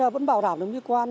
vẫn bảo đảm được mỹ quan